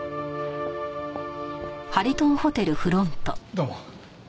どうも。